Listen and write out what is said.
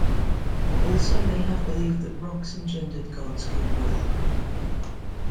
Also, they have believed that rocks engendered God's good-will.